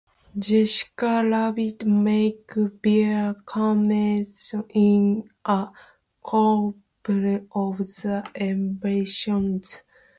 Jessica Rabbit makes brief cameos in a couple of the environments.